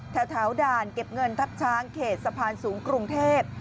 แถวด่านเก็บเงินทับช้างเขตสะพานสูงกรุงเทพ